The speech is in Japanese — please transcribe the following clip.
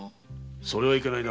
それはいけないな。